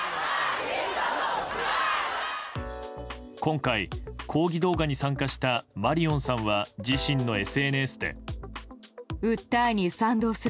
今回、抗議動画に参加したマリオンさんは自身のＳＮＳで。